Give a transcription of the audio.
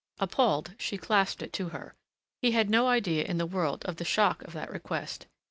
Appalled, she clasped it to her. He had no idea in the world of the shock of that request.